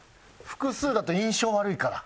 複数だと印象悪いから。